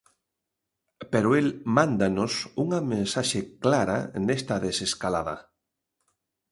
Pero el mándanos unha mensaxe clara nesta desescalada.